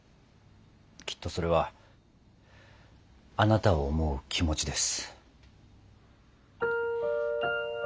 きっとそれはあなたを思う気持ちです。